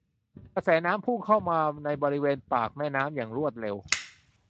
กระแสน้ำพุ่งเข้ามาในบริเวณปากแม่น้ำอย่างรวดเร็ว